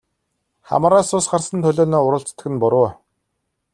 Хамраас цус гарсан төлөөнөө уралцдаг буруу.